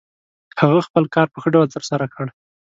هغه خپل کار په ښه ډول ترسره کړ.